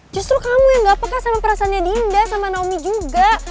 justru kamu yang gak peka sama perasaannya dinda sama naomi juga